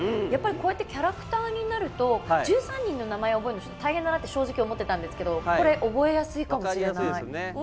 やっぱり、キャラクターになると１３人の名前を覚えるの大変だなって正直思ってたんですけど覚えやすいかもしれない。